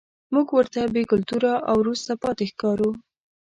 موږ ورته بې کلتوره او وروسته پاتې ښکارو.